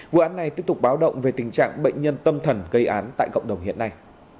vụ án này tiếp tục báo động về tình trạng bệnh nhân tâm thần gây án tại cộng đồng hiện nay